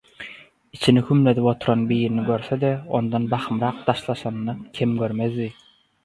Içini hümledip oturan birini görse-de ondan bahymrak daşlaşanyny kem görmezdi.